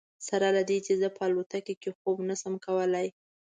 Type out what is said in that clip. سره له دې چې زه په الوتکه کې خوب نه شم کولی.